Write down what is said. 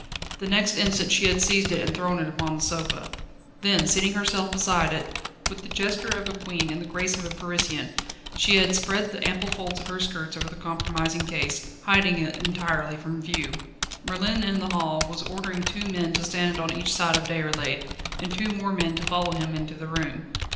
The next instant she had seized it and thrown it upon the sofa. Then seating herself beside it, with the gesture of a queen and the grace of a Parisienne, she had spread the ample folds of her skirts over the compromising case, hiding it entirely from view. Merlin in the hall was ordering two men to stand one on each side of Déroulède, and two more to follow him into the room.